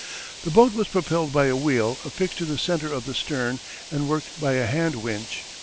The boat was propelled by a wheel affixed to the centre of the stern and worked by a hand winch.